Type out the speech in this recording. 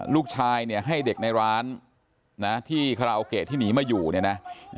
ลูกชายเนี่ยให้เด็กในร้านนะที่คาราโอเกะที่หนีมาอยู่เนี่ยนะ